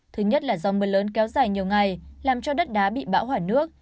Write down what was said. thứ nhất là do mưa lớn kéo dài nhiều ngày làm cho đất đá bị bão hỏa nước